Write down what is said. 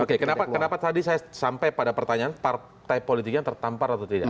oke kenapa tadi saya sampai pada pertanyaan partai politiknya tertampar atau tidak